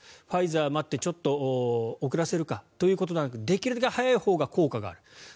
ファイザーを待ってちょっと遅らせるかということよりもできるだけ早いほうが効果がある。